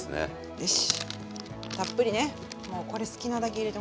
よし。